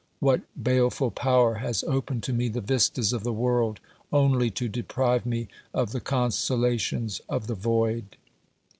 What bale ful power has opened to me the vistas of the world, only to deprive me of the consolations of the void